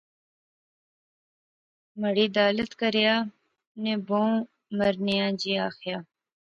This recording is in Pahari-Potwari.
مہاڑی دالت کریا۔۔۔ انیں بہوں مرنیاں جئے آخیا